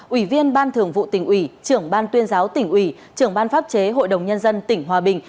ủy viên ban thường vụ tỉnh ủy trưởng ban tuyên giáo tỉnh ủy trưởng ban pháp chế hội đồng nhân dân tỉnh hòa bình